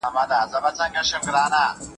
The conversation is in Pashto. مهاجرتونه د بشري ځواک د کمښت لامل کیږي.